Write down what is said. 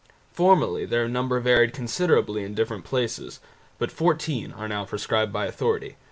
Formerly their number varied considerably in different places but fourteen are now prescribed by authority.